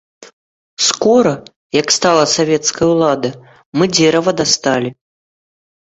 Скора, як стала савецкая ўлада, мы дзерава дасталі.